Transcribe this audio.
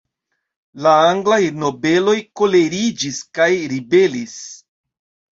La anglaj nobeloj koleriĝis kaj ribelis.